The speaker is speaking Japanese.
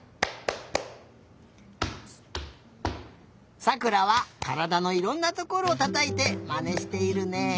さくらはからだのいろんなところたたいてまねしているね。